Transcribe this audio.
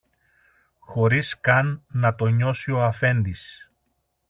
χωρίς καν να το νιώσει ο Αφέντης.